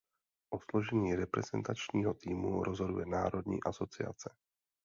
O složení reprezentačního týmu rozhoduje národní asociace.